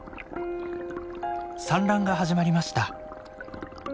産卵が始まりました。